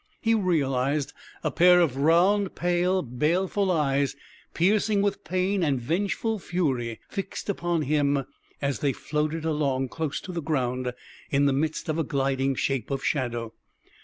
He realized a pair of round, pale, baleful eyes, piercing with pain and vengeful fury, fixed upon him as they floated along, close to the ground, in the midst of a gliding shape of shadow.